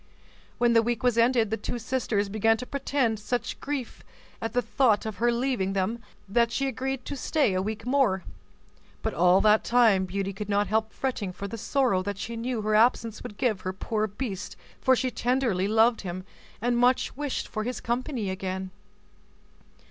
When the week was ended, the two sisters began to pretend such grief at the thought of her leaving them that she agreed to stay a week more; but all that time Beauty could not help fretting for the sorrow that she knew her absence would give her poor beast for she tenderly loved him, and much wished for his company again.